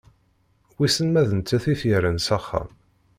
Wissen ma d nettat i t-yerran s axxam.